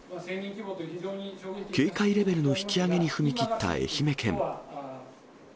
警戒レベルの引き上げに踏み切った愛媛県。